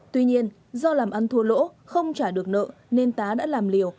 tuy nhiên do làm ăn thua lỗ không trả được nợ nên tá đã làm liều